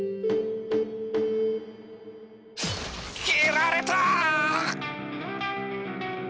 斬られた！